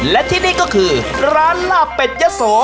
และที่นี่ก็คือร้านลาบเป็ดยะโส